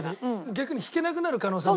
逆に弾けなくなる可能性もあるんで。